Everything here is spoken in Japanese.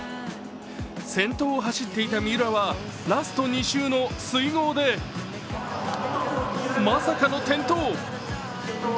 先頭を走っていた三浦はラスト２周の水濠でまさかの転倒。